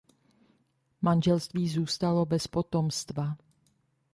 Manželství zůstalo bez potomstva.